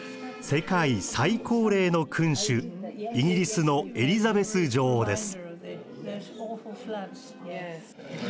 世界最高齢の君主イギリスのエリザベス女王です。